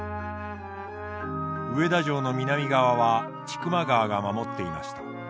上田城の南側は千曲川が守っていました。